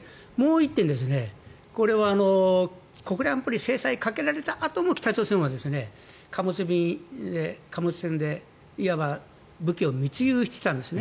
もう１点はこれは国連安保理制裁かけられたあとも北朝鮮は貨物船でいわば武器を密輸してたんです。